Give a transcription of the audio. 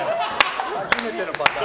初めてのパターン。